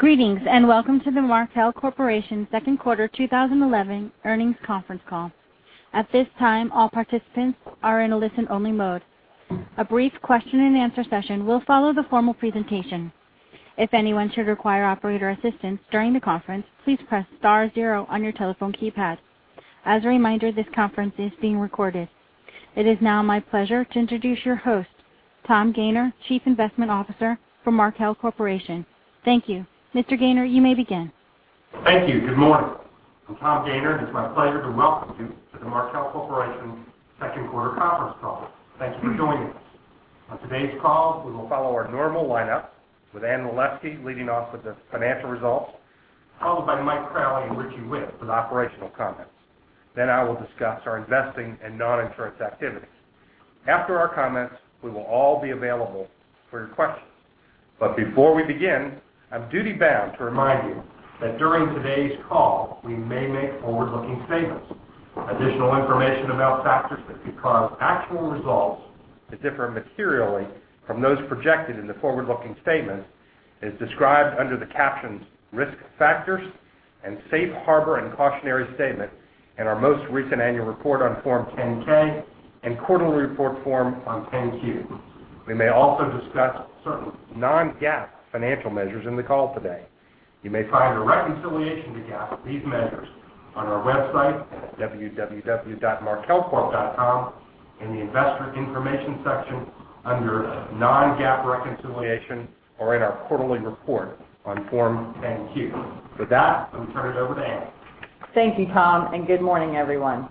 Greetings and welcome to the Markel Corporations's Second Quarter 2011 Earnings Conference Call. At this time, all participants are in a listen-only mode. A brief question and answer session will follow the formal presentation. If anyone should require operator assistance during the conference, please press *0 on your telephone keypad. As a reminder, this conference is being recorded. It is now my pleasure to introduce your host, Tom Gayner, Chief Investment Officer for Markel Corporation. Thank you. Mr. Gayner, you may begin. Thank you. Good morning. I'm Tom Gayner. It is my pleasure to welcome you to the Markel Corporations's second quarter conference call. Thank you for joining us. On today's call, we will follow our normal lineup with Anne Waleski leading off with the financial results, followed by Mike Crowley and Richie Whitt for the operational comments. I will discuss our investing and non-insurance activities. After our comments, we will all be available for your questions. Before we begin, I'm duty-bound to remind you that during today's call, we may make forward-looking statements. Additional information about factors that can cause actual results to differ materially from those projected in the forward-looking statements is described under the captions "Risk Factors" and "Safe Harbor and Cautionary Statement" in our most recent annual report on Form 10-K and Quarterly Report on Form 10-Q. We may also discuss certain non-GAAP financial measures in the call today. You may find a reconciliation to GAAP for these measures on our website, www.markelcorp.com, in the Investor Information section under Non-GAAP Reconciliation or in our Quarterly Report on Form 10-Q. With that, I'm turning it over to Anne. Thank you, Tom, and good morning, everyone.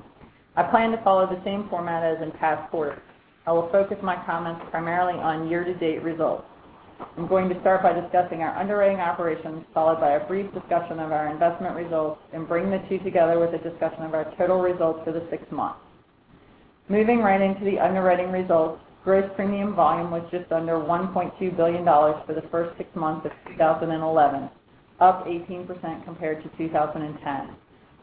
I plan to follow the same format as in past quarters. I will focus my comments primarily on year-to-date results. I'm going to start by discussing our underwriting operations, followed by a brief discussion of our investment results, and bring the two together with a discussion of our total results for the six months. Moving right into the underwriting results, gross premium volume was just under $1.2 billion for the first six months of 2011, up 18% compared to 2010.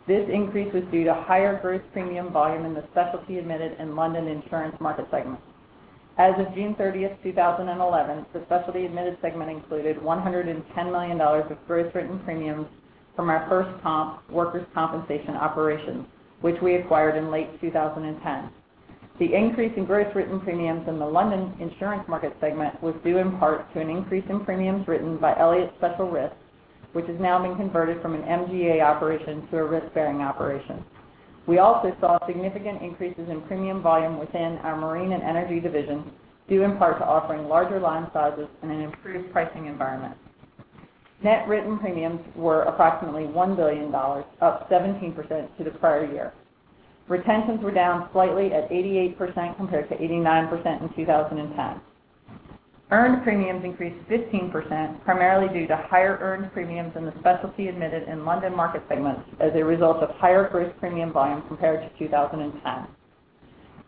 This increase was due to higher gross premium volume in the Specialty Admitted and London Insurance market segments. As of June 30th, 2011, the Specialty Admitted segment included $110 million of gross written premiums from our FirstComp Workers' Compensation operation, which we acquired in late 2010. The increase in gross written premiums in the London Insurance market segment was due in part to an increase in premiums written by Elliott Special Risk, which has now been converted from an MGA operation to a risk-bearing operation. We also saw significant increases in premium volume within our Marine and Energy divisions, due in part to offering larger line sizes and an improved pricing environment. Net written premiums were approximately $1 billion, up 17% to the prior year. Retentions were down slightly at 88% compared to 89% in 2010. Earned premiums increased 15%, primarily due to higher earned premiums in the Specialty Admitted and London market segments as a result of higher gross premium volume compared to 2010.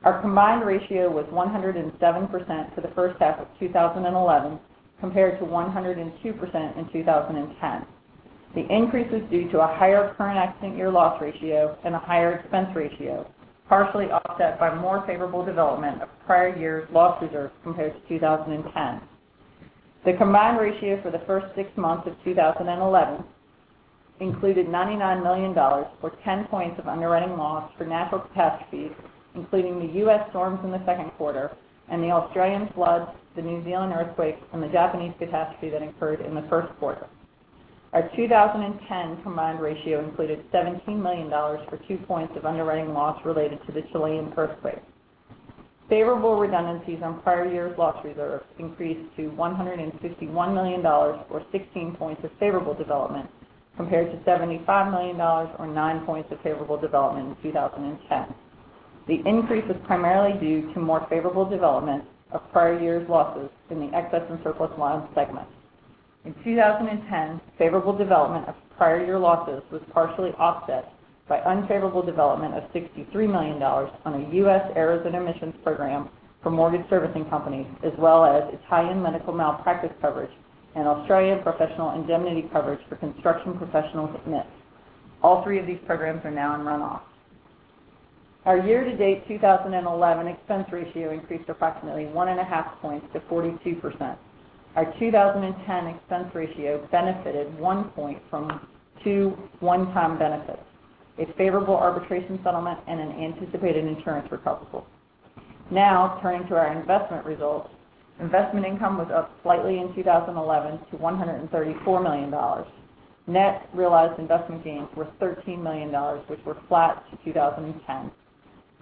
Our combined ratio was 107% for the first half of 2011 compared to 102% in 2010. The increase was due to a higher current accident year loss ratio and a higher expense ratio, partially offset by more favorable development of prior year's loss reserves compared to 2010. The combined ratio for the first six months of 2011 included $99 million for 10% of underwriting loss for natural catastrophes, including the U.S. storms in the second quarter and the Australian floods, the New Zealand earthquake, and the Japanese catastrophe that occurred in the first quarter. Our 2010 combined ratio included $17 million for 2% of underwriting loss related to the Chilean earthquake. Favorable redundancies on prior year's loss reserve increased to $151 million for 16% of favorable development compared to $75 million or 9% of favorable development in 2010. The increase was primarily due to more favorable development of prior year's losses in the excess and surplus lines segment. In 2010, favorable development of prior year losses was partially offset by unfavorable development of $63 million on a U.S. Arizona missions program for mortgage servicing companies, as well as Italian medical malpractice coverage and Australian professional indemnity coverage for construction professionals at MITS. All three of these programs are now in runoff. Our year-to-date 2011 expense ratio increased approximately 1.5 points to 42%. Our 2010 expense ratio benefited 1 point from two one-time benefits: a favorable arbitration settlement and an anticipated insurance recoverable. Now, turning to our investment results, investment income was up slightly in 2011 to $134 million. Net realized investment gains were $13 million, which were flat to 2010.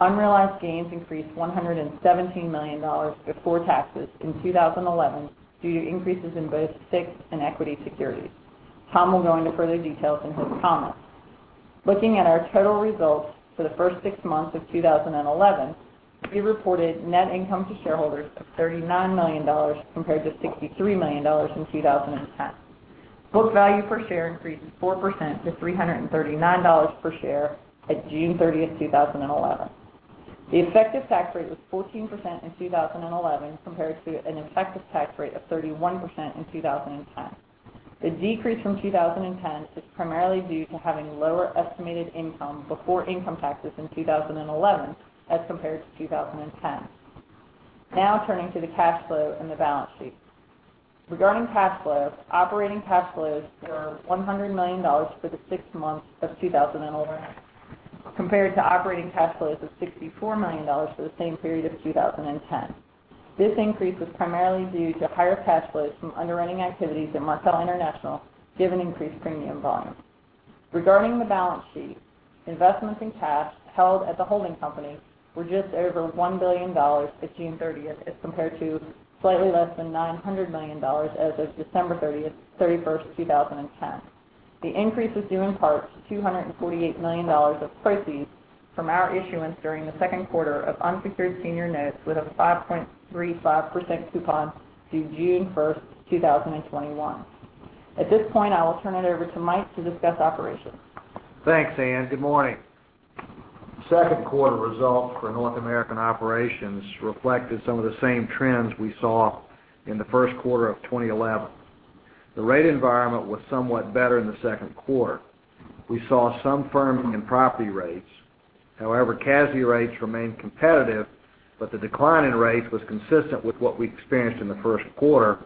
Unrealized gains increased $117 million before taxes in 2011 due to increases in both fixed and equity securities. Tom will go into further details in his comments. Looking at our total results for the first six months of 2011, we reported net income to shareholders of $39 million compared to $63 million in 2010. Book value per share increased 4% to $339 per share at June 30th, 2011. The effective tax rate was 14% in 2011 compared to an effective tax rate of 31% in 2010. The decrease from 2010 is primarily due to having lower estimated income before income taxes in 2011 as compared to 2010. Now, turning to the cash flow and the balance sheet. Regarding cash flow, operating cash flows were $100 million for the six months of 2011 compared to operating cash flows of $64 million for the same period of 2010. This increase was primarily due to higher cash flows from underwriting activities at Markel International, given increased premium volume. Regarding the balance sheet, investments in cash held at the holding company were just over $1 billion at June 30th as compared to slightly less than $900 million as of December 31st, 2010. The increase is due in part to $248 million of proceeds from our issuance during the second quarter of unsecured senior notes with a 5.35% coupon due June 1st, 2021. At this point, I will turn it over to Mike to discuss operations. Thanks, Anne. Good morning. Second quarter results for North American operations reflected some of the same trends we saw in the first quarter of 2011. The rate environment was somewhat better in the second quarter. We saw some firming in property rates. However, casualty rates remained competitive, but the decline in rates was consistent with what we experienced in the first quarter.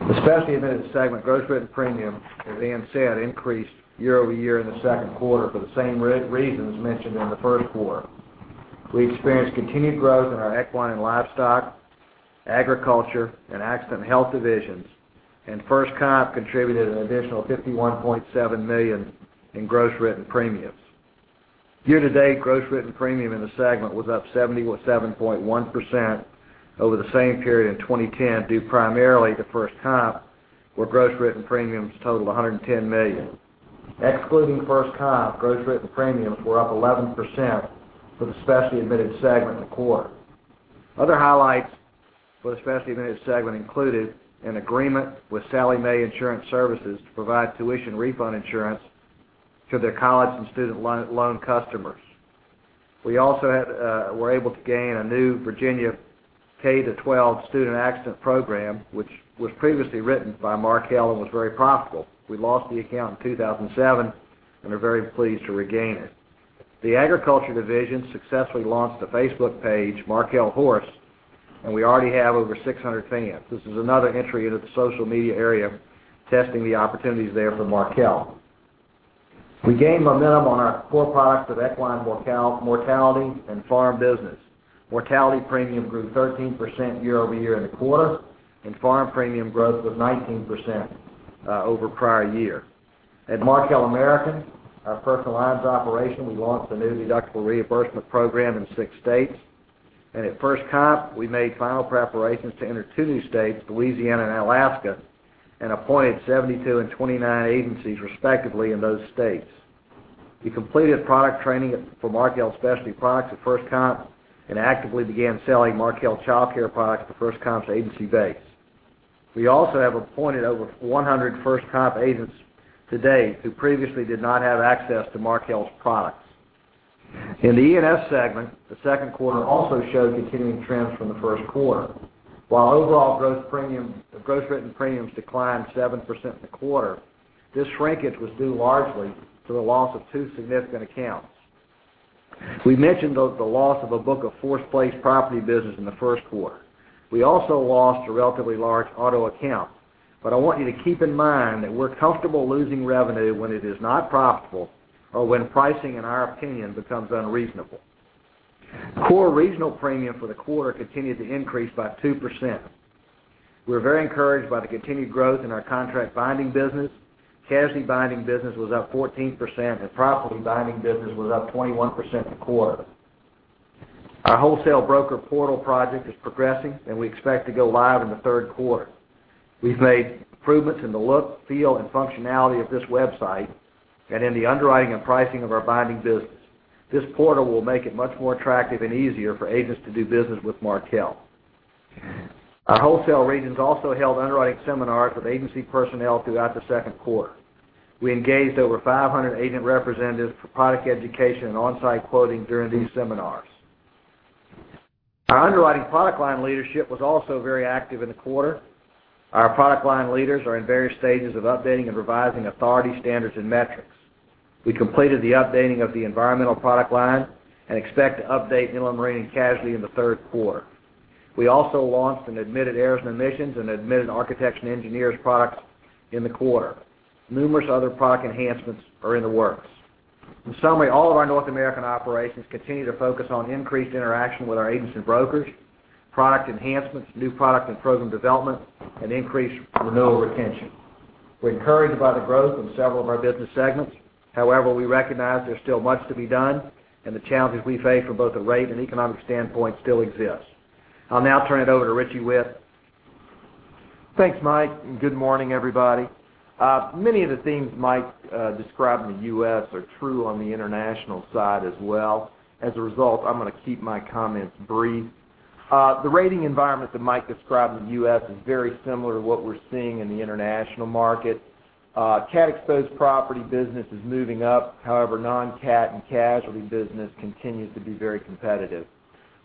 The Specialty Admitted segment gross written premium, as Anne said, increased year-over-year in the second quarter for the same reasons mentioned in the first quarter. We experienced continued growth in our equine and livestock, agriculture, and accident and health divisions, and FirstComp contributed an additional $51.7 million in gross written premiums. Year-to-date gross written premium in the segment was up 77.1% over the same period in 2010, due primarily to FirstComp, where gross written premiums totaled $110 million. Excluding FirstComp, gross written premiums were up 11% for the Specialty Admitted segment in the quarter. Other highlights for the Specialty Admitted segment included an agreement with Sallie Mae Insurance Services to provide tuition refund insurance to their college and student loan customers. We also were able to gain a new Virginia K-12 student accident program, which was previously written by Markel and was very profitable. We lost the account in 2007 and are very pleased to regain it. The agriculture division successfully launched a Facebook page, Markel Horse, and we already have over 600 fans. This is another entry into the social media area, testing the opportunities there for Markel. We gained momentum on our core products of equine mortality and farm business. Mortality premium grew 13% year-over-year in the quarter, and farm premium growth was 19% over prior year. At Markel American, our personal lines operation, we launched a new deductible reimbursement program in six states. At FirstComp, we made final preparations to enter two new states, Louisiana and Alaska, and appointed 72 and 29 agencies respectively in those states. We completed product training for Markel's specialty products at FirstComp and actively began selling Markel childcare products to FirstComp's agency base. We also have appointed over 100 FirstComp agents to date who previously did not have access to Markel's products. In the E&S segment, the second quarter also showed continuing trends from the first quarter. While overall gross written premiums declined 7% in the quarter, this shrinkage was due largely to the loss of two significant accounts. We mentioned the loss of a book of force-placed property business in the first quarter. We also lost a relatively large auto account. I want you to keep in mind that we're comfortable losing revenue when it is not profitable or when pricing, in our opinion, becomes unreasonable. Core regional premium for the quarter continued to increase by 2%. We're very encouraged by the continued growth in our contract binding business. Casier binding business was up 14%, and property binding business was up 21% the quarter. Our wholesale broker portal project is progressing, and we expect to go live in the third quarter. We've made improvements in the look, feel, and functionality of this website and in the underwriting and pricing of our binding business. This portal will make it much more attractive and easier for agents to do business with Markel. Our wholesale regions also held underwriting seminars with agency personnel throughout the second quarter. We engaged over 500 agent representatives for product education and onsite quoting during these seminars. Our underwriting product line leadership was also very active in the quarter. Our product line leaders are in various stages of updating and revising authority standards and metrics. We completed the updating of the environmental product line and expect to update inland marine and casier in the third quarter. We also launched and admitted Arizona missions and admitted architects and engineers products in the quarter. Numerous other product enhancements are in the works. In summary, all of our North American operations continue to focus on increased interaction with our agents and brokers, product enhancements, new product and program development, and increased renewal retention. We're encouraged by the growth of several of our business segments. However, we recognize there's still much to be done, and the challenges we face from both a rate and economic standpoint still exist. I'll now turn it over to Richie Whitt. Thanks, Mike, and good morning, everybody. Many of the themes Mike described in the U.S. are true on the international side as well. As a result, I'm going to keep my comments brief. The rating environment that Mike described in the U.S. is very similar to what we're seeing in the international market. CAT-exposed property business is moving up. However, non-CAT and casualty business continues to be very competitive.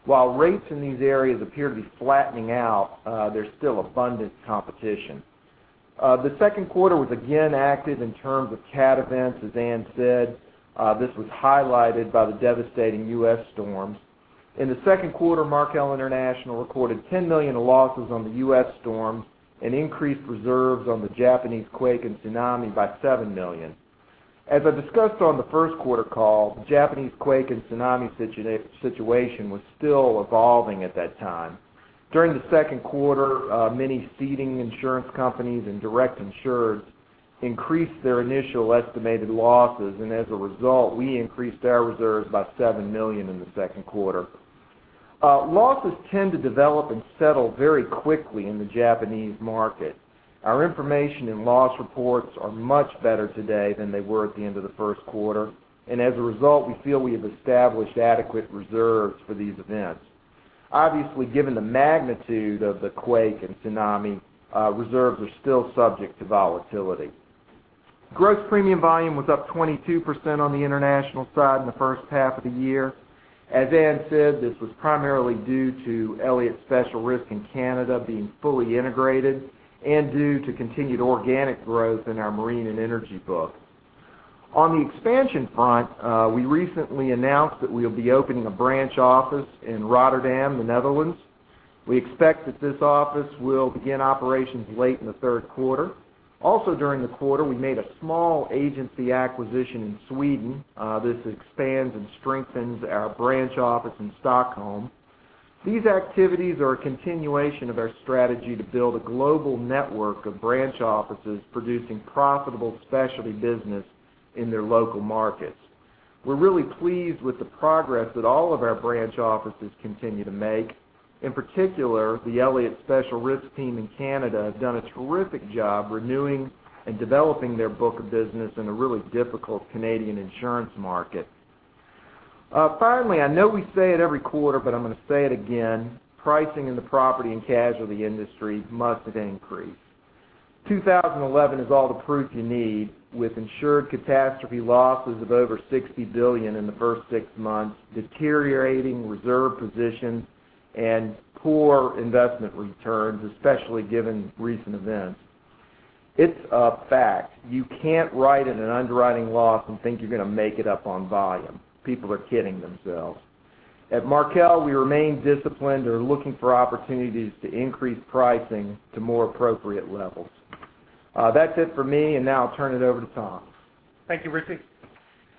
While rates in these areas appear to be flattening out, there's still abundant competition. The second quarter was again active in terms of CAT events, as Anne said. This was highlighted by the devastating U.S. storms. In the second quarter, Markel International recorded $10 million in losses on the U.S. storm and increased reserves on the Japanese quake and tsunami by $7 million. As I discussed on the first quarter call, the Japanese quake and tsunami situation was still evolving at that time. During the second quarter, many ceding insurance companies and direct insureds increased their initial estimated losses, and as a result, we increased our reserves by $7 million in the second quarter. Losses tend to develop and settle very quickly in the Japanese market. Our information and loss reports are much better today than they were at the end of the first quarter, and as a result, we feel we have established adequate reserves for these events. Obviously, given the magnitude of the quake and tsunami, reserves are still subject to volatility. Gross premium volume was up 22% on the international side in the first half of the year. As Anne said, this was primarily due to Elliott Special Risk in Canada being fully integrated and due to continued organic growth in our marine and energy book. On the expansion front, we recently announced that we'll be opening a branch office in Rotterdam, the Netherlands. We expect that this office will begin operations late in the third quarter. Also during the quarter, we made a small agency acquisition in Sweden. This expands and strengthens our branch office in Stockholm. These activities are a continuation of our strategy to build a global network of branch offices producing profitable specialty business in their local markets. We're really pleased with the progress that all of our branch offices continue to make. In particular, the Elliott Special Risk team in Canada has done a terrific job renewing and developing their book of business in a really difficult Canadian insurance market. Finally, I know we say it every quarter, but I'm going to say it again. Pricing in the property and casualty industry must have increased. 2011 is all the proof you need, with insured catastrophe losses of over $60 billion in the first six months, deteriorating reserve positions, and poor investment returns, especially given recent events. It's a fact. You can't write in an underwriting loss and think you're going to make it up on volume. People are kidding themselves. At Markel, we remain disciplined and are looking for opportunities to increase pricing to more appropriate levels. That's it for me, and now I'll turn it over to Tom. Thank you, Richie.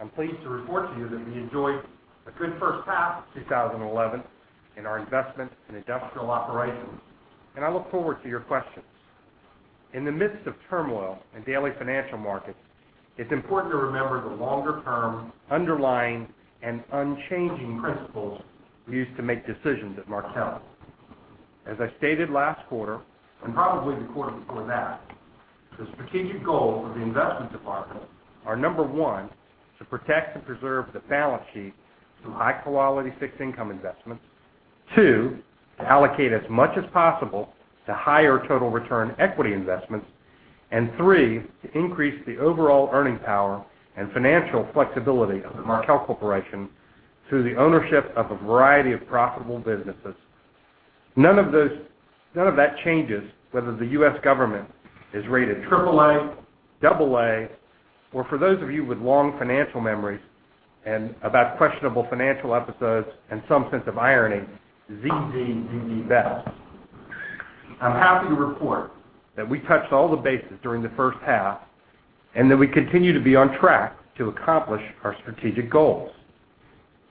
I'm pleased to report to you that we enjoyed a good first half of 2011 in our investment and industrial operations, and I look forward to your questions. In the midst of turmoil in daily financial markets, it's important to remember the longer-term, underlying, and unchanging principles used to make decisions at Markel. As I stated last quarter and probably the quarter before that, the strategic goal of the investment deposits are number one, to protect and preserve the balance sheet through high-quality fixed income investments, two, to allocate as much as possible to higher total return equity investments, and three, to increase the overall earning power and financial flexibility of the Markel Corporation through the ownership of a variety of profitable businesses. None of those, none of that changes whether the U.S. government is rated AAA, AA, or for those of you with long financial memories and about questionable financial episodes and some sense of irony, ZZZBETS. I'm happy to report that we touched all the bases during the first half and that we continue to be on track to accomplish our strategic goals.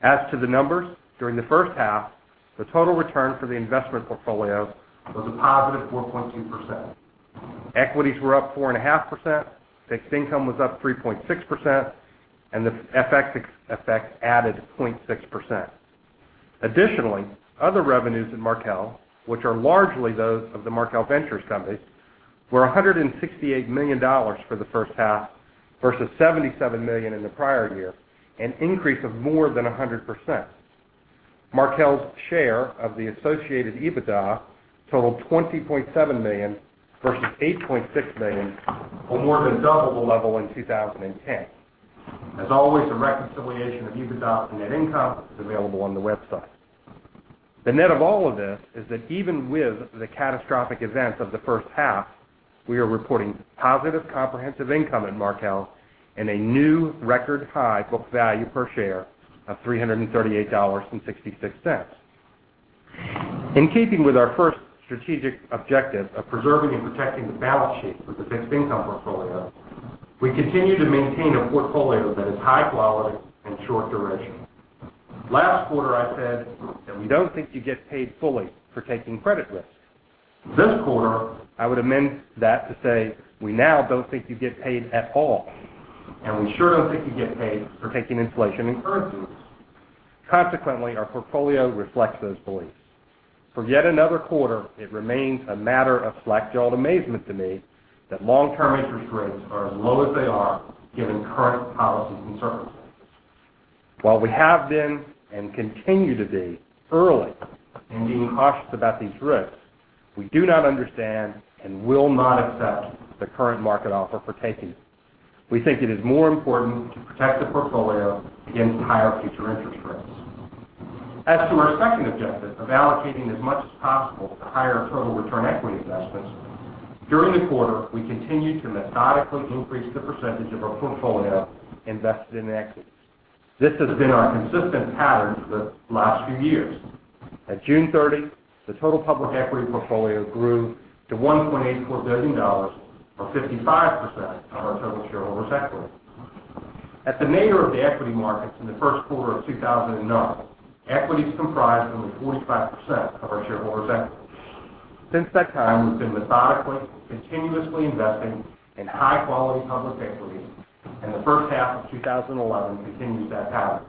As to the numbers, during the first half, the total return for the investment portfolios was a +4.2%. Equities were up 4.5%, fixed income was up 3.6%, and the FX effect added 0.6%. Additionally, other revenues in Markel, which are largely those of the Markel Ventures companies, were $168 million for the first half versus $77 million in the prior year, an increase of more than 100%. Markel's share of the associated EBITDA totaled $20.7 million versus $8.6 million, a more than double level in 2010. As always, a reconciliation of EBITDA and net income is available on the website. The net of all of this is that even with the catastrophic events of the first half, we are reporting positive comprehensive income at Markel and a new record high book value per share of $338.66. In keeping with our first strategic objective of preserving and protecting the balance sheet with the fixed income portfolio, we continue to maintain a portfolio that is high quality and short duration. Last quarter, I said that we don't think you get paid fully for taking credit risk. This quarter, I would amend that to say we now don't think you get paid at all, and we sure don't think you get paid for taking inflation and currency risk. Consequently, our portfolio reflects those beliefs. For yet another quarter, it remains a matter of slack-jawed amazement to me that long-term interest rates are as low as they are given current policies and circumstances. While we have been and continue to be early in being cautious about these risks, we do not understand and will not accept the current market offer for taking them. We think it is more important to protect the portfolio against higher future interest rates. As to my second objective of allocating as much as possible to higher total return equity investments, during the quarter, we continue to methodically increase the percentage of our portfolio invested in equities. This has been our consistent pattern for the last few years. At June 30, the total public equity portfolio grew to $1.84 billion, or 55% of our total shareholders’ equity. At the nadir of the equity markets in the first quarter of 2009, equities comprised only 45% of our shareholders’ equity. Since that time, we've been methodically, continuously investing in high-quality public equities, and the first half of 2011 continued that pattern.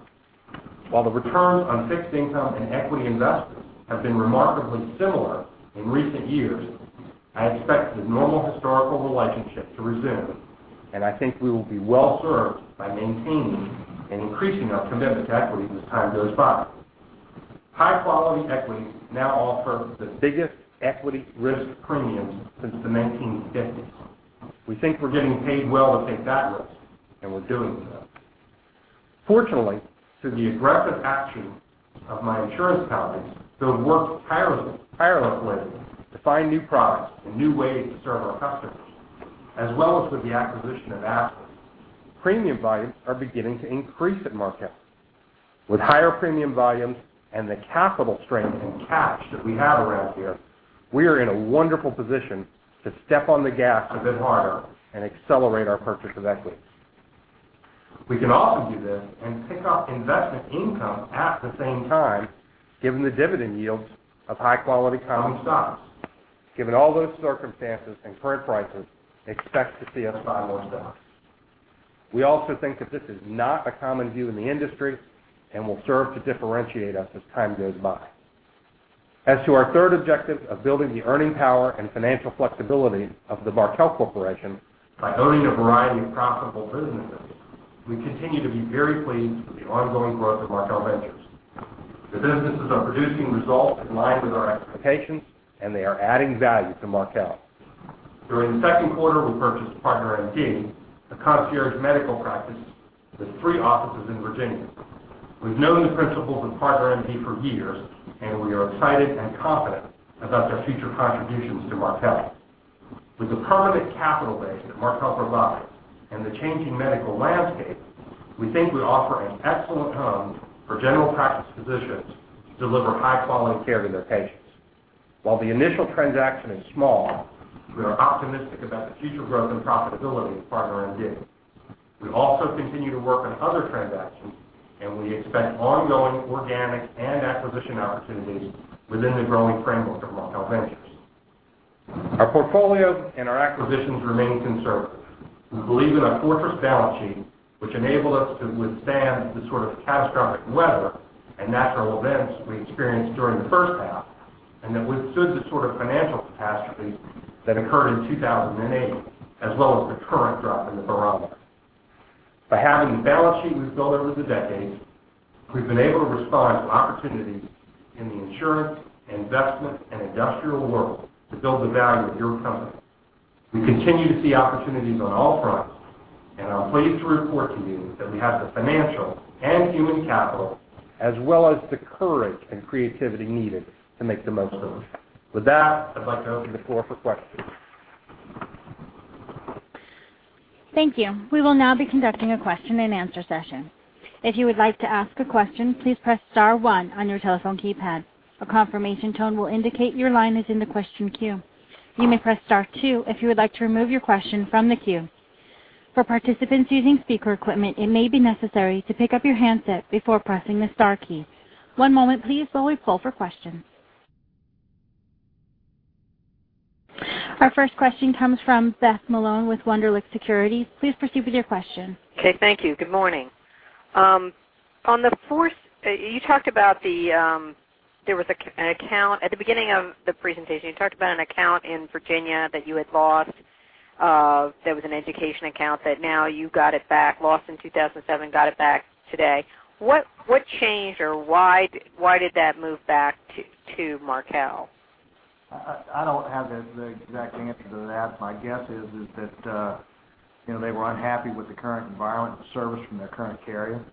While the return on fixed income and equity investments have been remarkably similar in recent years, I expect the normal historical relationship to resume, and I think we will be well served by maintaining and increasing our commitment to equities as time goes by. High-quality equities now offer the biggest equity risk premium since the 1950s. We think we're getting paid well to take that risk, and we're doing so. Fortunately, through the aggressive action of my insurance companies, they've worked tirelessly to find new products and new ways to serve our customers, as well as with the acquisition of ASCA. Premium volumes are beginning to increase at Markel. With higher premium volumes and the capital strength in cash that we have around here, we are in a wonderful position to step on the gas a bit harder and accelerate our purchase of equities. We can also do this and pick up investment income at the same time, given the dividend yields of high-quality common stocks. Given all those circumstances and current prices, I expect to see us find those balances. We also think that this is not a common view in the industry and will serve to differentiate us as time goes by. As to our third objective of building the earning power and financial flexibility of the Markel Corporation by owning a variety of profitable businesses, we continue to be very pleased with the ongoing growth of Markel Ventures. The businesses are producing results in line with our expectations, and they are adding value to Markel. During the second quarter, we purchased PartnerMD, a concierge medical practice, with three offices in Virginia. We've known the principals of PartnerMD for years, and we are excited and confident about their future contributions to Markel. With the prominent capital base that Markel provides and the changing medical landscape, we think we offer an excellent home for general practice physicians to deliver high-quality care to their patients. While the initial transaction is small, we are optimistic about the future growth and profitability of PartnerMD. We also continue to work on other transactions, and we expect ongoing organic and acquisition opportunities within the growing framework of Markel Ventures. Our portfolio and our acquisitions remain conservative. We believe in a fortress balance sheet, which enables us to withstand the sort of catastrophic weather and natural events we experienced during the first half and that withstood the sort of financial catastrophes that occurred in 2008, as well as the current drop in the bureaucracy. By having the balance sheet we've built over the decades, we've been able to respond to opportunities in the insurance, investment, and industrial world to build the value of your company. We continue to see opportunities on all fronts, and I'm pleased to report to you that we have the financial and human capital, as well as the courage and creativity needed to make the most of them. With that, I'd like to open the floor for questions. Thank you. We will now be conducting a question and answer session. If you would like to ask a question, please press *1 on your telephone keypad. A confirmation tone will indicate your line is in the question queue. You may press *2 if you would like to remove your question from the queue. For participants using speaker equipment, it may be necessary to pick up your handset before pressing the * key. One moment, please, while we pull for questions. Our first question comes from Beth Malone with Wunderlich Securities. Please proceed with your question. Thank you. Good morning. On the first, you talked about there was an account at the beginning of the presentation. You talked about an account in Virginia that you had lost. There was an education account that now you got it back, lost in 2007, got it back today. What changed or why did that move back to Markel? I don't have the exact answer to that. My guess is that they were unhappy with the current environment of service from their current carrier.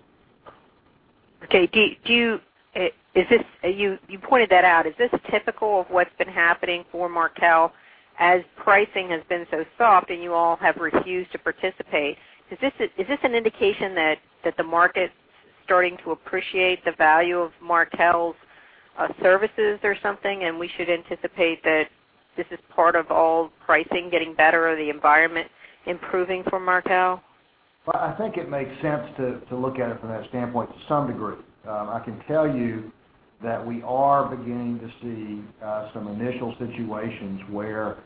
Okay. You pointed that out. Is this typical of what's been happening for Markel? As pricing has been so soft and you all have refused to participate, is this an indication that the market's starting to appreciate the value of Markel's services or something, and we should anticipate that this is part of all pricing getting better or the environment improving for Markel? I think it makes sense to look at it from that standpoint to some degree. I can tell you that we are beginning to see some initial situations where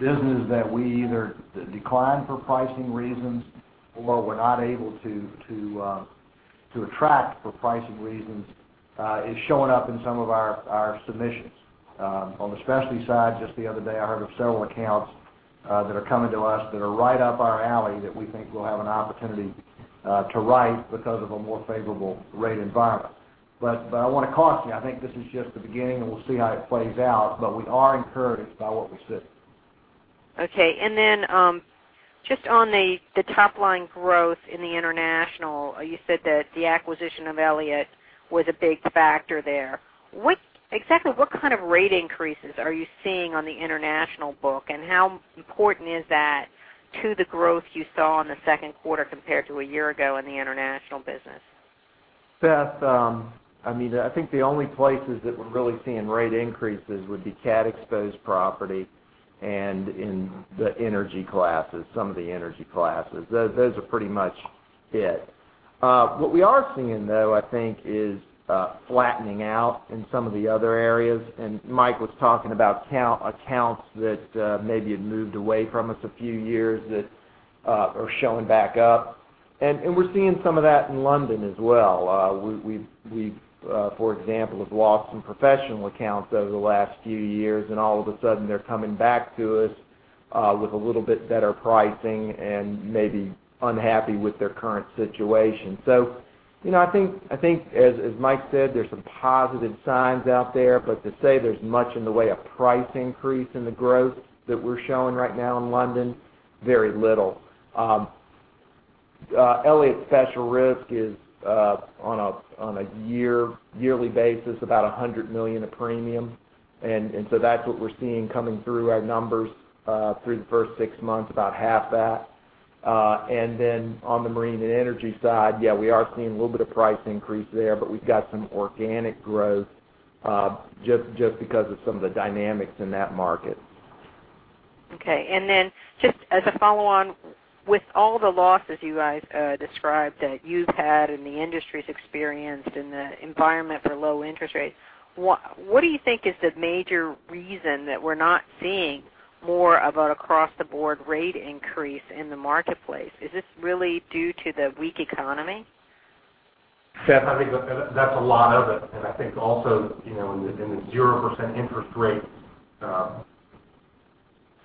businesses that we either decline for pricing reasons or were not able to attract for pricing reasons are showing up in some of our submissions. On the specialty side, just the other day, I heard of several accounts that are coming to us that are right up our alley that we think will have an opportunity to write because of a more favorable rate environment. I want to caution you, I think this is just the beginning and we'll see how it plays out, but we are encouraged by what we see. Okay. Just on the top line growth in the international, you said that the acquisition of Elliott was a big factor there. Exactly what kind of rate increases are you seeing on the international book, and how important is that to the growth you saw in the second quarter compared to a year ago in the international business? Beth, I mean, I think the only places that we're really seeing rate increases would be CAT-exposed property and in the energy classes, some of the energy classes. Those are pretty much it. What we are seeing, though, I think is flattening out in some of the other areas. Mike was talking about accounts that maybe had moved away from us a few years that are showing back up. We're seeing some of that in London as well. For example, we have lost some professional accounts over the last few years, and all of a sudden, they're coming back to us with a little bit better pricing and maybe unhappy with their current situation. I think, as Mike said, there's some positive signs out there, but to say there's much in the way of price increase in the growth that we're showing right now in London, very little. Elliott Special Risk is on a yearly basis about $100 million of premium. That's what we're seeing coming through our numbers through the first six months, about half that. On the marine and energy side, yeah, we are seeing a little bit of price increase there, but we've got some organic growth just because of some of the dynamics in that market. Okay. Just as a follow-on, with all the losses you guys described that you've had and the industry's experienced and the environment for low interest rates, what do you think is the major reason that we're not seeing more of an across-the-board rate increase in the marketplace? Is this really due to the weak economy? Beth, I think that's a lot of it. I think also, you know, in the 0% interest rate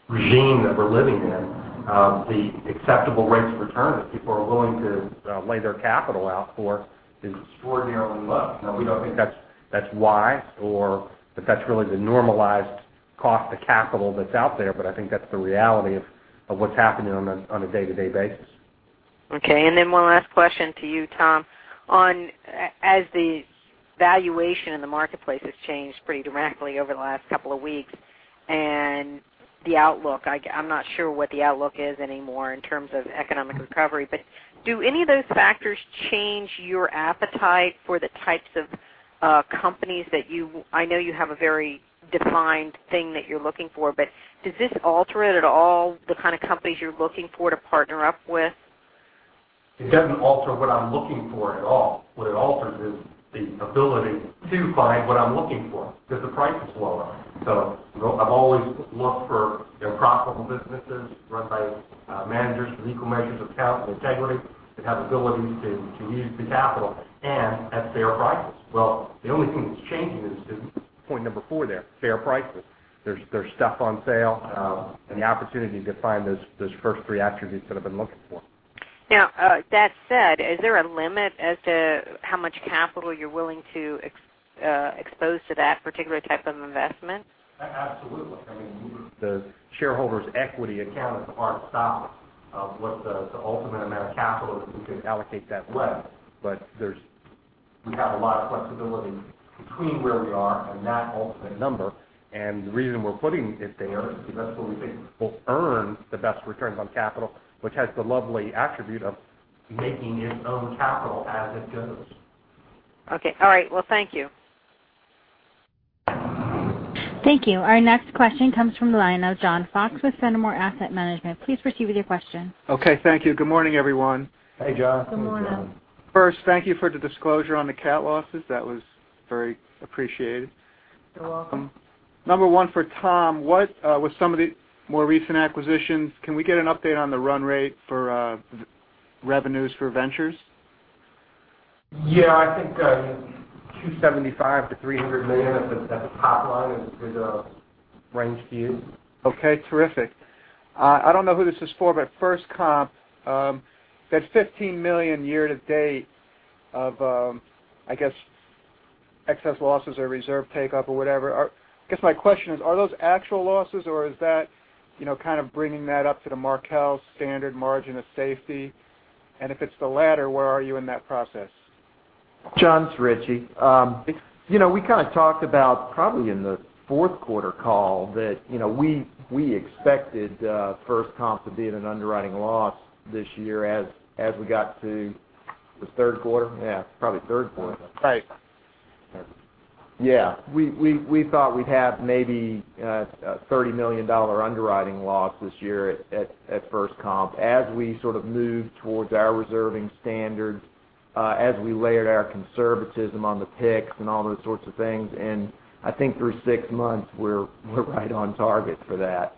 regime that we're living in, the acceptable rates of return that people are willing to lay their capital out for is extraordinarily low. We don't think that's why or that that's really the normalized cost of capital that's out there, but I think that's the reality of what's happening on a day-to-day basis. Okay. One last question to you, Tom, as the valuation in the marketplace has changed pretty dramatically over the last couple of weeks and the outlook. I'm not sure what the outlook is anymore in terms of economic recovery, but do any of those factors change your appetite for the types of companies that you, I know you have a very defined thing that you're looking for, but does this alter it at all, the kind of companies you're looking for to partner up with? It doesn't alter what I'm looking for at all. What it alters is the ability to find what I'm looking for because the price is lower. I've always looked for profitable businesses run by managers with equal measures of talent and integrity that have abilities to use the capital and at fair prices. The only thing that's changing is point number four there, fair prices. There's stuff on sale and the opportunity to find those first three attributes that I've been looking for. Now, that said, is there a limit as to how much capital you're willing to expose to that particular type of investment? Absolutely. I mean, the shareholders’ equity accounts are not solved of what the ultimate amount of capital that we could allocate that way. There is a lot of flexibility between where we are on that ultimate number. The reason we’re putting it there is because that’s where we think we’ll earn the best returns on capital, which has the lovely attribute of making its own capital as it goes. Okay. All right. Thank you. Thank you. Our next question comes from the line of John Fox with Fenimore Asset Management. Please proceed with your question. Okay. Thank you. Good morning, everyone. Hey, John. Good morning. First, thank you for the disclosure on the catastrophe losses. That was very appreciated. You're welcome. Number one for Tom, with some of the more recent acquisitions, can we get an update on the run rate for revenues for Ventures? Yeah, I think $275 million-$300 million as a top line is a range for you. Okay. Terrific. I don't know who this is for, but FirstComp, that $15 million year to date of, I guess, excess losses or reserve takeup or whatever. I guess my question is, are those actual losses or is that, you know, kind of bringing that up to the Markel standard margin of safety? If it's the latter, where are you in that process? Richie, you know, we kind of talked about probably in the fourth quarter call that we expected FirstComp to be in an underwriting loss this year as we got to the third quarter. Yeah, it's probably third quarter. Right. Yeah. We thought we'd have maybe a $30 million underwriting loss this year at FirstComp as we sort of moved towards our reserving standards, as we layered our conservatism on the picks and all those sorts of things. I think through six months, we're right on target for that.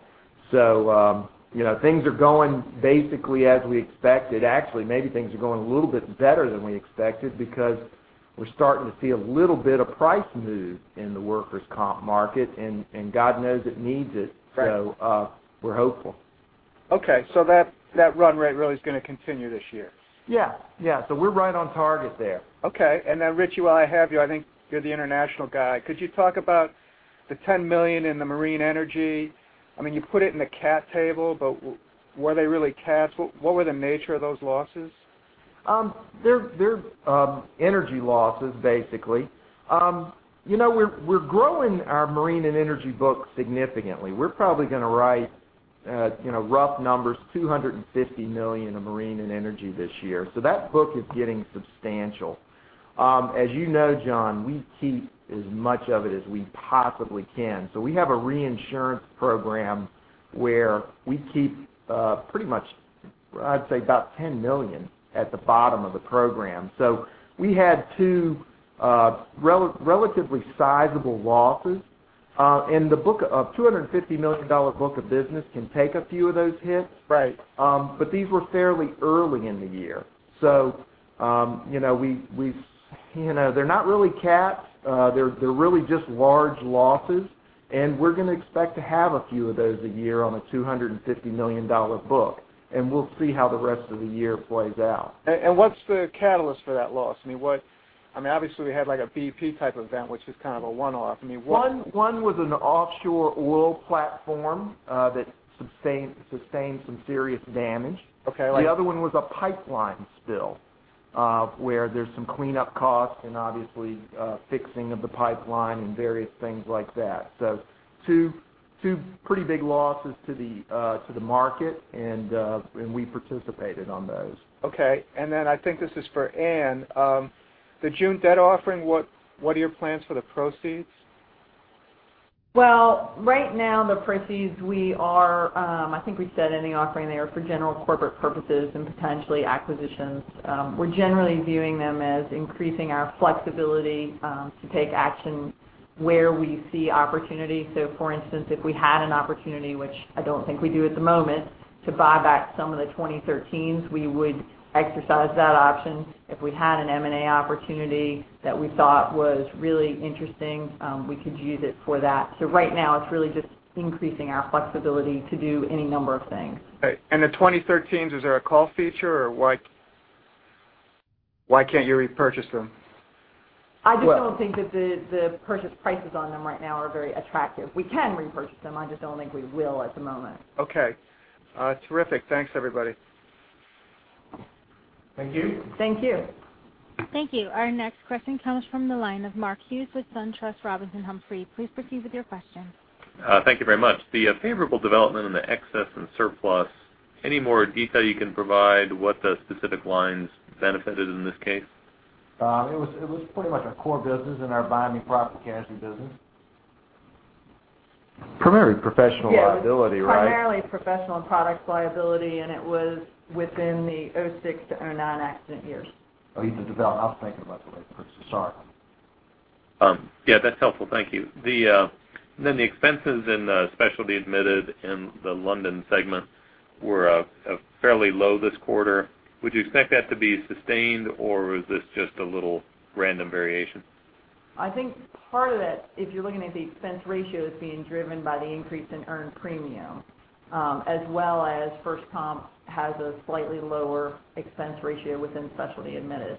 Things are going basically as we expected. Actually, maybe things are going a little bit better than we expected because we're starting to see a little bit of price move in the workers' comp market. God knows it needs it. We're hopeful. Okay, that run rate really is going to continue this year. Yeah, yeah, we're right on target there. Okay. Richie, while I have you, I think you're the international guy. Could you talk about the $10 million in the marine energy? I mean, you put it in the CAT table, but were they really CATs? What were the nature of those losses? They're energy losses, basically. You know, we're growing our marine and energy book significantly. We're probably going to write, you know, rough numbers, $250 million in marine and energy this year. That book is getting substantial. As you know, John, we keep as much of it as we possibly can. We have a reinsurance program where we keep pretty much, I'd say, about $10 million at the bottom of the program. We had two relatively sizable losses, and the $250 million book of business can take a few of those hits. Right. These were fairly early in the year. You know, they're not really CATs. They're really just large losses. We're going to expect to have a few of those a year on a $250 million book. We'll see how the rest of the year plays out. What is the catalyst for that loss? I mean, obviously, we had like a BP type of event, which was kind of a one-off. I mean. One was an offshore oil platform that sustained some serious damage. Okay. The other one was a pipeline spill where there's some cleanup costs, and obviously fixing of the pipeline and various things like that. Two pretty big losses to the market, and we participated on those. Okay. I think this is for Anne. The June debt offering, what are your plans for the proceeds? Right now, the proceeds, we are, I think we said in the offering, they are for general corporate purposes and potentially acquisitions. We're generally viewing them as increasing our flexibility to take action where we see opportunity. For instance, if we had an opportunity, which I don't think we do at the moment, to buy back some of the 2013s, we would exercise that option. If we had an M&A opportunity that we thought was really interesting, we could use it for that. Right now, it's really just increasing our flexibility to do any number of things. Is there a call feature on the 2013s or why can't you repurchase them? I just don't think that the purchase prices on them right now are very attractive. We can repurchase them, I just don't think we will at the moment. Okay. Terrific. Thanks, everybody. Thank you. Thank you. Thank you. Our next question comes from the line of Mark Hughes with SunTrust Robinson Humphrey. Please proceed with your question. Thank you very much. The favorable development in the excess and surplus, any more detail you can provide what the specific lines benefited in this case? It was pretty much a core business in our binding property casualty business. Primarily professional liability, right? Primarily professional and products liability, and it was within the 2006-2009 accident years. Oh, you did development. I was thinking about the way it purchased. Sorry. Yeah, that's helpful. Thank you. The expenses in the Specialty Admitted and the London segment were fairly low this quarter. Would you expect that to be sustained, or is this just a little random variation? I think part of that, if you're looking at the expense ratio, is being driven by the increase in earned premium, as well as FirstComp has a slightly lower expense ratio within Specialty Admitted.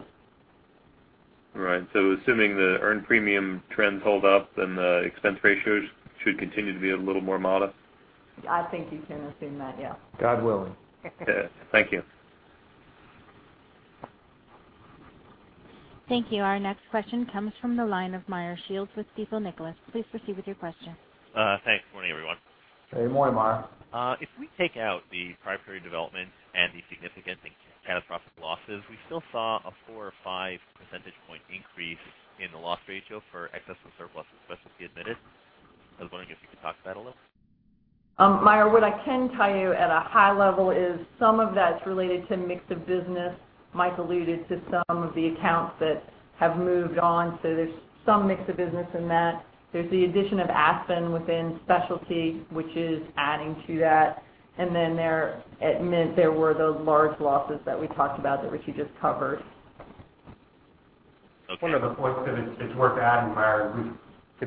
Right. Assuming the earned premium trends hold up, the expense ratios should continue to be a little more modest? I think you can assume that, yeah. God willing. Thank you. Thank you. Our next question comes from the line of Meyer Shields with Stifel Nicolaus. Please proceed with your question. Thanks. Good morning, everyone. Hey, good morning, Meyer. If we take out the proprietary developments and the significant catastrophe losses, we still saw a 4% or 5% point increase in the loss ratio for excess and surplus specialty admitted. I was wondering if you could talk to that a little. Meyer, what I can tell you at a high level is some of that is related to mixed business. Mike alluded to some of the accounts that have moved on. There's some mixed business in that. There's the addition of Aspen within specialty, which is adding to that. There were those large losses that we talked about that Richie just covered. One of the points that it's worth adding, Meyer, is we've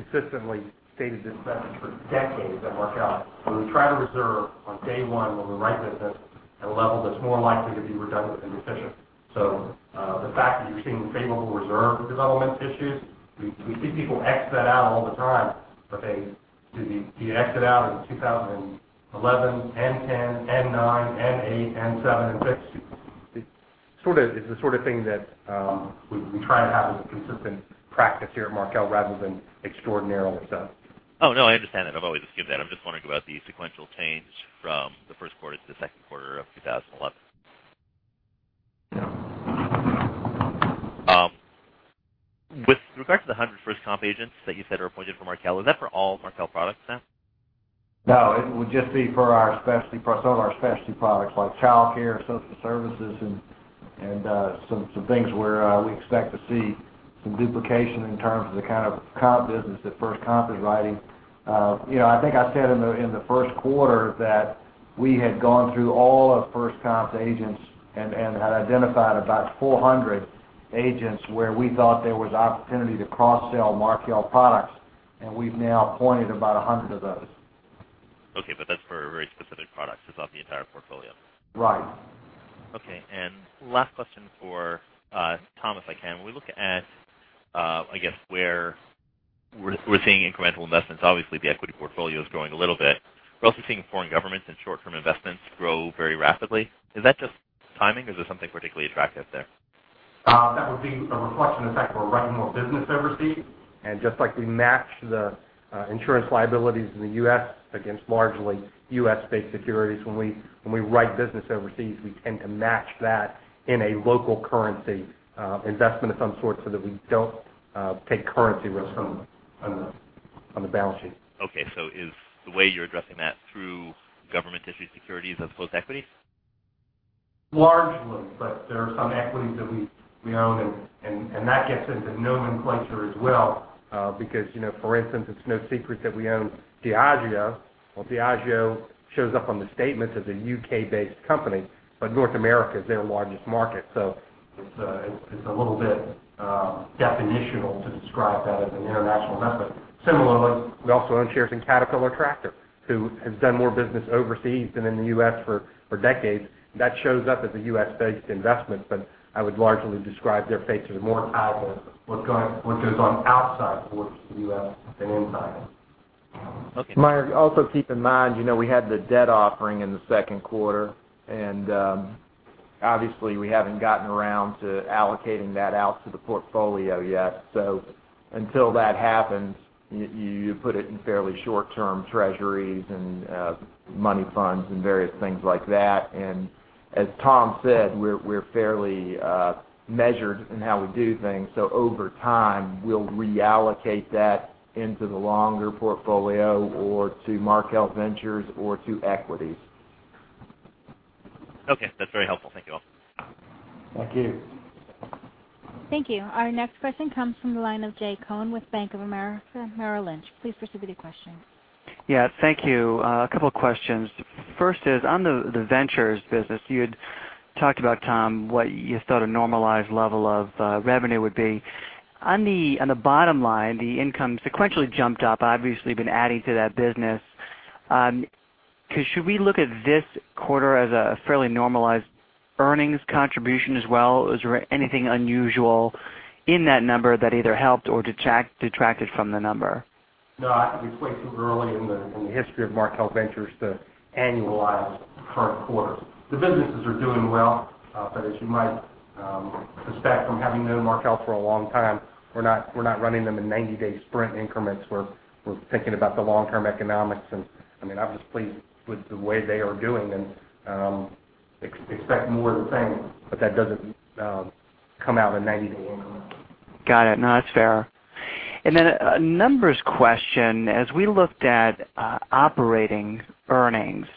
consistently stated this for decades at Markel. When we try to reserve on day one when we write business at a level that's more likely to be redundant and efficient, the fact that you're seeing favorable reserve development issues, we see people exit out all the time, but they do the exit out in 2011, 2010, 2009, 2008, 2007, and 2006. It's the sort of thing that we try to have as a consistent practice here at Markel rather than extraordinary or so. Oh, no, I understand that. I've always asked you that. I'm just wondering about the sequential change from the first quarter to the second quarter of 2011. With regard to the 100 FirstComp agents that you said are appointed from Markel, is that for all Markel products now? No. It would just be for our specialty products. Some of our specialty products like childcare, social services, and some things where we expect to see some duplication in terms of the kind of comp business that FirstComp is writing. I think I said in the first quarter that we had gone through all of FirstComp agents and had identified about 400 agents where we thought there was opportunity to cross-sell Markel products, and we've now appointed about 100 of those. Okay, that's for very specific products. It's not the entire portfolio. Right. Okay. Last question for Tom, if I can. When we look at, I guess, where we're seeing incremental investments, obviously, the equity portfolio is growing a little bit. We're also seeing foreign governments and short-term investments grow very rapidly. Is that just timing, or is there something particularly attractive there? That would be a reflection, in fact, of our running more business overseas. Just like we match the insurance liabilities in the U.S. against largely U.S.-based securities, when we write business overseas, we tend to match that in a local currency investment of some sort so that we don't take currency risk on the balance sheet. Okay. Is the way you're addressing that through government-issued securities as opposed to equities? Largely, but there are some equities that we own, and that gets into nomenclature as well because, for instance, it's no secret that we own Diageo. Diageo shows up on the statements as a UK-based company, but North America is their largest market. It's a little bit definitional to describe that as an international investment. Similarly, we also own shares in Caterpillar Tractor, who has done more business overseas than in the U.S. for decades. That shows up as a U.S.-based investment, but I would largely describe their fate to be more tied with what goes on outside the borders of the U.S. than inside it. Okay. Meyer, also keep in mind, you know, we had the debt offering in the second quarter, and obviously, we haven't gotten around to allocating that out to the portfolio yet. Until that happens, you put it in fairly short-term treasuries and money funds and various things like that. As Tom said, we're fairly measured in how we do things. Over time, we'll reallocate that into the longer portfolio or to Markel Ventures or to equities. Okay, that's very helpful. Thank you all. Thank you. Thank you. Our next question comes from the line of Jay Cohen with Bank of America Merrill Lynch. Please proceed with your question. Thank you. A couple of questions. First is on the Ventures business, you had talked about, Tom, what you thought a normalized level of revenue would be. On the bottom line, the income sequentially jumped up. Obviously, you've been adding to that business. Should we look at this quarter as a fairly normalized earnings contribution as well? Is there anything unusual in that number that either helped or detracted from the number? No. I think it's way too early in the history of Markel Ventures to annualize the current quarter. The businesses are doing well for this. You might suspect from having known Markel Group for a long time, we're not running them in 90-day sprint increments. We're thinking about the long-term economics. I'm just pleased with the way they are doing them. Expect more of the same, but that doesn't come out in 90 days. Got it. No, that's fair. A numbers question: as we looked at operating earnings,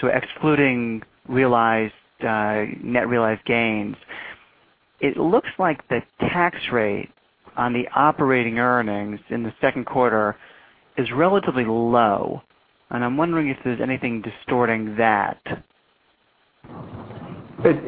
so excluding net realized gains, it looks like the tax rate on the operating earnings in the second quarter is relatively low. I'm wondering if there's anything distorting that. That's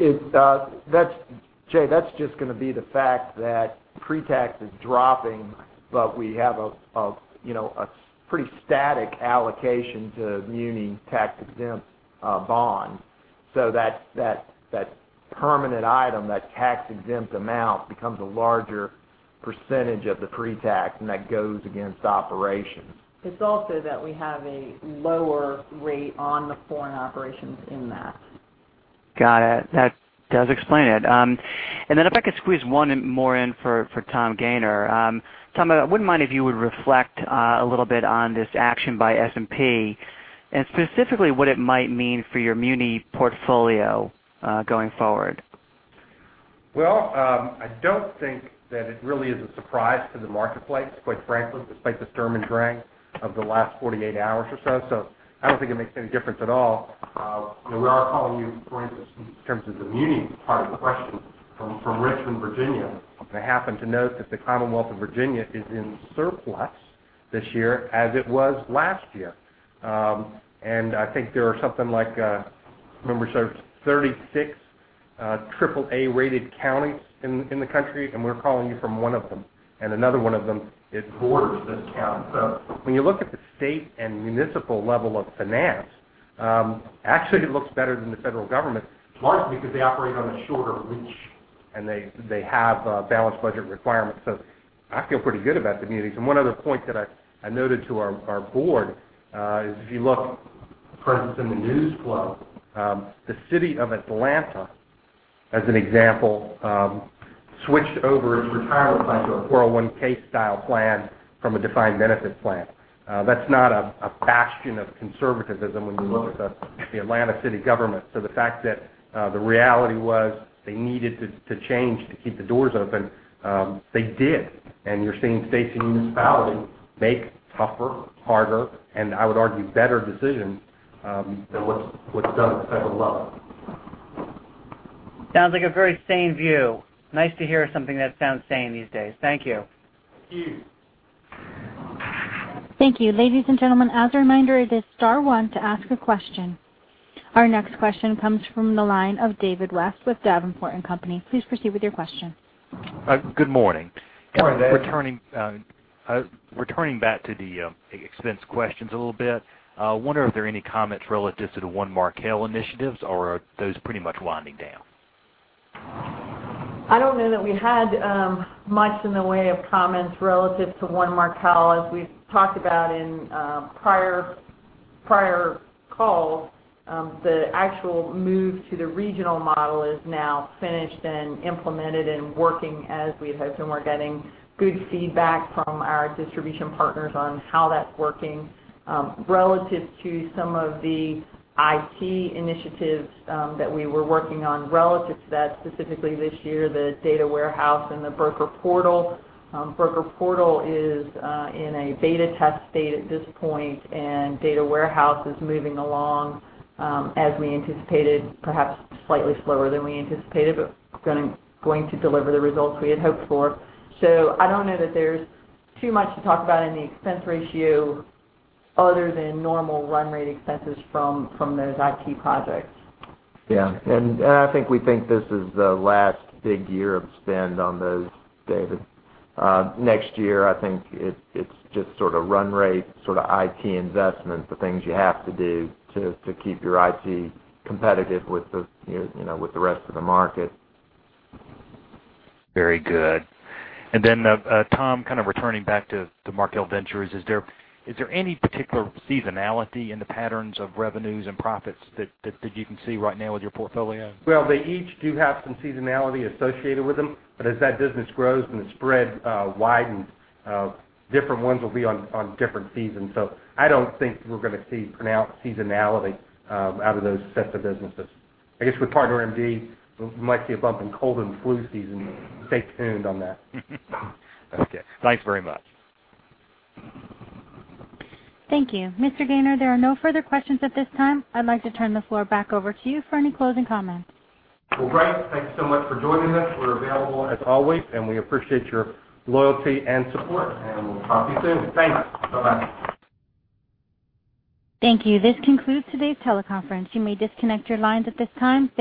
just going to be the fact that pre-tax is dropping, but we have a pretty static allocation to muni tax-exempt bonds. That permanent item, that tax-exempt amount, becomes a larger percentage of the pre-tax, and that goes against operations. It's also that we have a lower rate on the foreign operations in that. Got it. That does explain it. If I could squeeze one more in for Tom Gayner, I wouldn't mind if you would reflect a little bit on this action by S&P and specifically what it might mean for your muni portfolio going forward. I don't think that it really is a surprise to the marketplace, quite frankly, despite the stir and drag of the last 48 hours or so. I don't think it makes any difference at all. We are calling you for interest in terms of the muni part of the question from Richmond, Virginia. I happen to note that the Commonwealth of Virginia is in surplus this year as it was last year. I think there are something like, I remember, 36 AAA rated counties in the country, and we're calling you from one of them. Another one of them is [Borges]. When you look at the state and municipal level of finance, actually, it looks better than the federal government, largely because they operate on a shorter leash and they have balanced budget requirements. I feel pretty good about the munis. One other point that I noted to our board is if you look, for instance, in the news flow, the city of Atlanta, as an example, switched over its retirement plan to a 401(k) style plan from a defined benefit plan. That's not a bastion of conservatism when you look at the Atlanta city government. The fact that the reality was they needed to change to keep the doors open, they did. You're seeing states in use following make tougher, harder, and I would argue better decisions than what's done with overload. Sounds like a very sane view. Nice to hear something that sounds sane these days. Thank you. Thank you. Ladies and gentlemen, as a reminder, it is star one to ask a question. Our next question comes from the line of David West with Davenport & Company. Please proceed with your question. Good morning. Returning back to the expense questions a little bit, I wonder, are there any comments relative to the One Markel initiatives, or are those pretty much winding down? I don't know that we had much in the way of comments relative to One Markel. As we talked about in prior calls, the actual move to the regional model is now finished, implemented, and working as we had hoped, and we're getting good feedback from our distribution partners on how that's working. Relative to some of the IT initiatives that we were working on relative to that, specifically this year, the data warehouse and the broker portal. Broker portal is in a beta test state at this point, and data warehouse is moving along as we anticipated, perhaps slightly slower than we anticipated, but going to deliver the results we had hoped for. I don't know that there's too much to talk about in the expense ratio other than normal run rate expenses from those IT projects. I think we think this is the last big year of spend on those, David. Next year, I think it's just sort of run rate, sort of IT investment, the things you have to do to keep your IT competitive with the rest of the market. Very good. Tom, kind of returning back to Markel Ventures, is there any particular seasonality in the patterns of revenues and profits that you can see right now with your portfolio? They each do have some seasonality associated with them. As that business grows and the spread widens, different ones will be on different seasons. I don't think we're going to see pronounced seasonality out of those sets of businesses. I guess with PartnerMD, we might see a bump in cold and flu season. Stay tuned on that. Okay, thanks very much. Thank you. Mr. Gayner, there are no further questions at this time. I'd like to turn the floor back over to you for any closing comments. Thank you so much for joining us. We're available as always, and we appreciate your loyalty and support, and we'll talk to you soon. Thank you. Thank you. This concludes today's teleconference. You may disconnect your lines at this time.